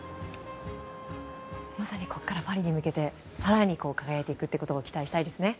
まさにここからパリに向けて更に輝いていくということも期待したいですね。